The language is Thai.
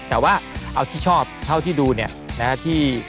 แต่ว่าเอาที่ชอบเท่าที่ดูเนี่ยนะฮะ